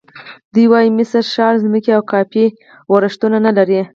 دوی وایي مصر شاړې ځمکې او کافي ورښتونه نه لري.